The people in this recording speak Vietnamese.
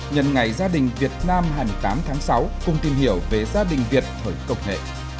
nhận ngày gia đình việt nam hai mươi tám tháng sáu cùng tìm hiểu về gia đình việt thời cộng hệ